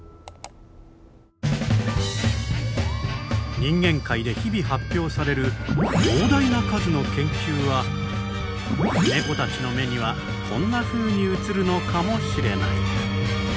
人間界で日々発表される膨大な数の研究はネコたちの目にはこんなふうに映るのかもしれない。